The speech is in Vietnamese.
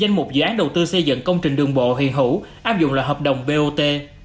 danh mục dự án đầu tư xây dựng công trình đường bộ hiện hữu áp dụng là hợp đồng bot